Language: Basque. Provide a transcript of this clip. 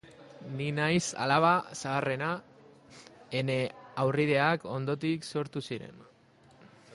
Ni naiz alaba zaharrena, ene haurrideak ondotik sortu ziren.